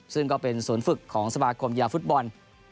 ซึ่งก็เป็นสวนฝึกของสภาคมยาฟุตบอล